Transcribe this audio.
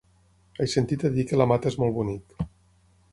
He sentit a dir que la Mata és molt bonic.